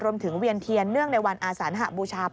เวียนเทียนเนื่องในวันอาสานหบูชา